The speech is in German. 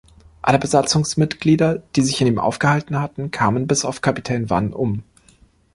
Alle Besatzungsmitglieder, die sich in ihm aufgehalten hatten, kamen bis auf Kapitän Wann um.